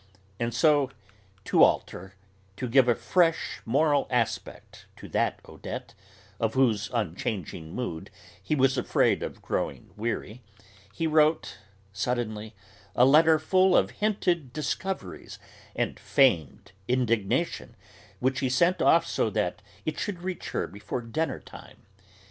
And so to alter, to give a fresh moral aspect to that Odette, of whose unchanging mood he was afraid of growing weary, he wrote, suddenly, a letter full of hinted discoveries and feigned indignation, which he sent off so that it should reach her before dinner time.